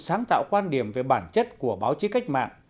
sáng tạo quan điểm về bản chất của báo chí cách mạng